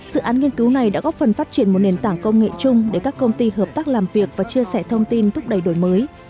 dự án nghiên cứu này đã góp phần phát triển một nền tảng công nghệ chung để các công ty hợp tác làm việc và chia sẻ thông tin thúc đẩy đổi mới